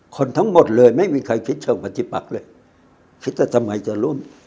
คนทั้งหมดเลยไม่มีใครคิดเชิงปฏิบัติเลยคิดว่าทำไมจะรุ่น